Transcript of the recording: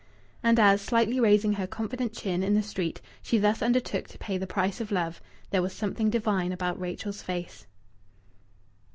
And as, slightly raising her confident chin in the street, she thus undertook to pay the price of love, there was something divine about Rachel's face.